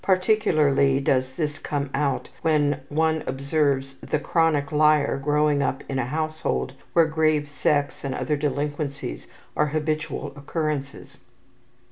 Particularly does this come out when one observes the chronic liar growing up in a household where grave sex and other delinquencies are habitual occurrences.